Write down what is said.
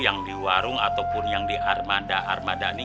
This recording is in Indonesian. yang di warung ataupun yang di armada armada ini